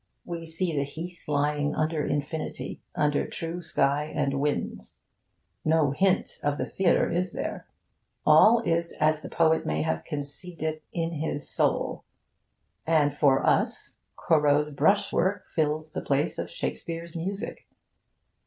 We see the heath lying under infinity, under true sky and winds. No hint of the theatre is there. All is as the poet may have conceived it in his soul. And for us Corot's brush work fills the place of Shakespeare's music.